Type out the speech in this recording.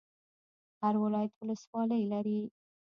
هر ولایت ولسوالۍ لري